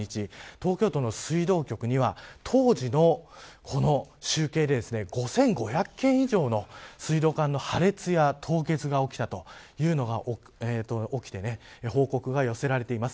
東京都の水道局には当時の集計で５５００件以上の水道管の破裂や凍結が起きたと報告が寄せられています。